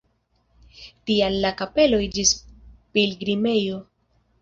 Tial la kapelo iĝis pilgrimejo.